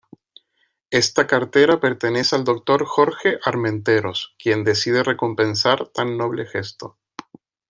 Esta cartera pertenece al doctor Jorge Armenteros, quien decide recompensar tan noble gesto.